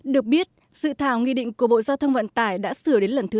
được biết dự thảo nghi định của bộ giao thông vận tải đã sửa đến lần thứ sáu